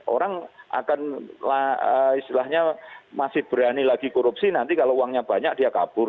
orang akan istilahnya masih berani lagi korupsi nanti kalau uangnya banyak dia kabur